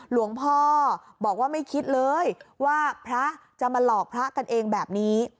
หลวงพ่อบอกว่าไม่คิดเลยว่าพระจะมาหลอกพระกันเองแบบนี้